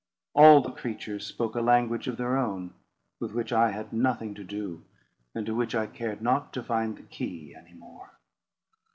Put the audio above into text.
All the creatures spoke a language of their own, with which I had nothing to do, and to which I cared not to find the key any more.